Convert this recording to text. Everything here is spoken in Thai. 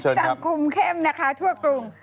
สั่งคุมเข้มนะคะทั่วกรุง